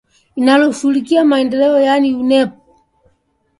linaloshughulikia maendeleo yaani undp